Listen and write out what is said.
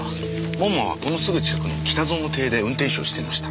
門馬はこのすぐ近くの北薗邸で運転手をしていました。